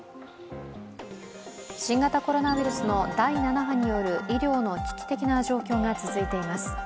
新型コロナウイルスの第７波による医療の危機的な状況が続いています。